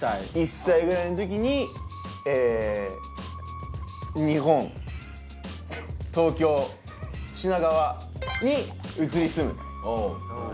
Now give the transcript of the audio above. １歳くらいのときに日本・東京品川に移り住む。